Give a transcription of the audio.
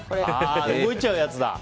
動いちゃうやつだ。